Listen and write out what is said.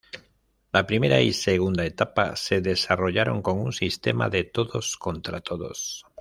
La primera y segunda etapa se desarrollaron con un sistema de todos contra todos.